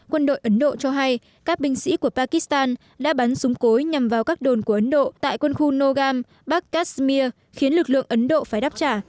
quân đội ấn độ cho hay các binh sĩ của pakistan đã bắn súng cối nhằm vào các đồn của ấn độ tại quân khu nogam bắc kashmir khiến lực lượng ấn độ phải đáp trả